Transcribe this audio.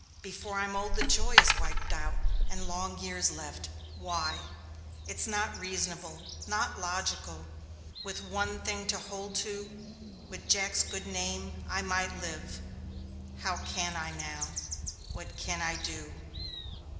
Before I'm old the joy is wiped out and long years left. Why? It's not reasonable not logical. With one thing to hold to, with Jack's good name, I might live. How can I, now? What can I do?